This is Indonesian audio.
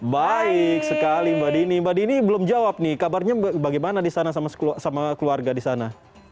baik sekali mbak dini mbak dini belum jawab nih kabarnya bagaimana di sana sama keluarga di sana